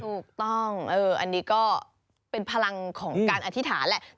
ถูกต้องอันนี้ก็เป็นพลังของการอธิษฐานแหละ